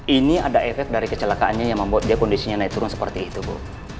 ini ada efek dari kecelakaannya yang membuat dia kondisinya naik turun seperti itu bu